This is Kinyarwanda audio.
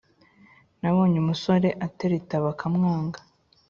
nabonye umusore atereta bakamwanga